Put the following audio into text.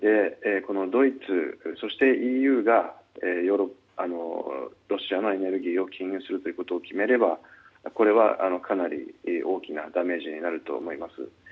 ドイツ、そしてＥＵがロシアのエネルギーを禁輸するということを決めればこれはかなり大きなダメージになると思います。